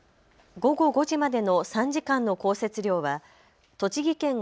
午後５時までの３時間の降雪量は栃木県奥